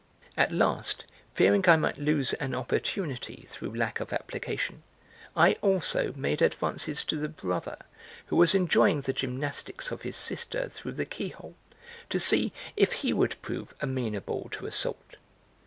At last, fearing I might lose an opportunity through lack of application, I also made advances to the brother who was enjoying the gymnastics of his sister through the keyhole, to see if he would prove amenable to assault.